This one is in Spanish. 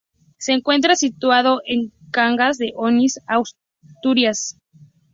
Se encuentra situado en Cangas de Onís, Asturias.